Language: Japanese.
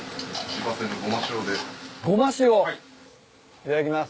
いただきます。